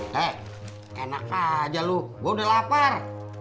hei enak aja lo gue udah lapar